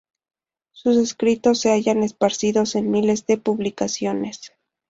Sus escritos se hallan esparcidos en miles de publicaciones.